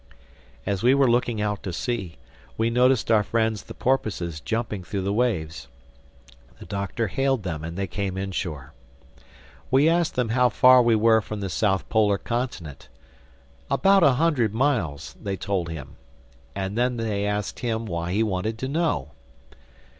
As we were looking out to sea, we noticed our friends the porpoises jumping through the waves. The Doctor hailed them and they came inshore. He asked them how far we were from the South Polar Continent. About a hundred miles, they told him. And then they asked why he wanted to know.